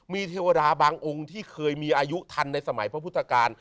มีเทวดาบางองค์ที่เคยมีอายุทันในสมัยพระพุทธกาล